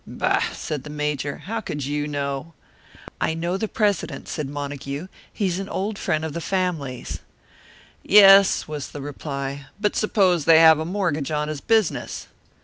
"Bah!" said the Major. "How could you know?" "I know the president," said Montague. "He's an old friend of the family's." "Yes," was the reply. "But suppose they have a mortgage on his business?"